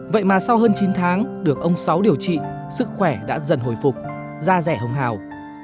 vậy mà sau hơn chín tháng được ông sáu điều trị sức khỏe đã dần hồi phục da rẻ hồng hào